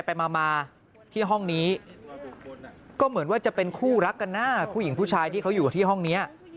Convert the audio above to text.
ไปมาที่ห้องนี้ก็เหมือนว่าจะเป็นคู่รักกันนะผู้หญิงผู้ชายที่เขาอยู่ที่ห้องนี้